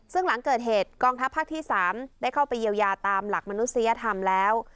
ซึ่งหลังเกิดเหตุกองทัพภาคที่๓ได้เข้าไปเยียวยาตามหลักมนุษยธรรมแล้ว